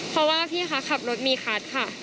เพราะว่าพี่ขับรถมีคัท